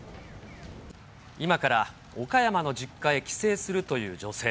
今から岡山の実家へ帰省するという女性。